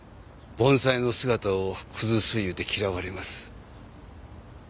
盆栽の姿を崩すいうて嫌われます。